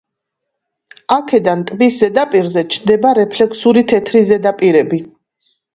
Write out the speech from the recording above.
აქედან ტბის ზედაპირზე ჩნდება რეფლექსური თეთრი ზედაპირები.